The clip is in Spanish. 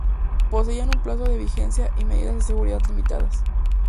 Poseían un plazo de vigencia y medidas de seguridad limitadas.